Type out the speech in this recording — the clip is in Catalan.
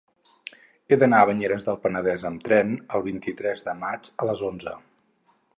He d'anar a Banyeres del Penedès amb tren el vint-i-tres de maig a les onze.